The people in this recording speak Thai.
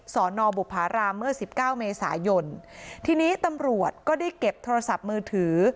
สอนอบุภารามเมื่อสิบเก้าเมษายนทีนี้ตำรวจก็ได้เก็บโทรศัพท์มือถือ